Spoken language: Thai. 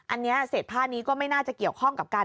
อันนี้เศษผ้านี้ก็ไม่น่าจะเกี่ยวข้องกับการ